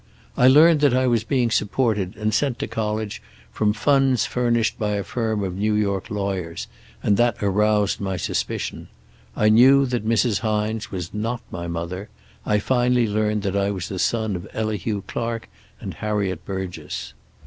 "I learned that I was being supported and sent to college from funds furnished by a firm of New York lawyers, and that aroused my suspicion. I knew that Mrs. Hines was not my mother. I finally learned that I was the son of Elihu Clark and Harriet Burgess.